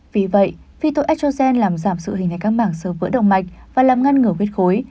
vì vậy phyto estrogen làm giảm sự hình này các mảng sơ vỡ động mạch và làm ngăn ngửa huyết khối